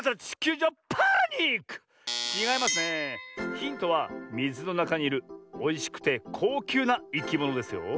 ヒントはみずのなかにいるおいしくてこうきゅうないきものですよ。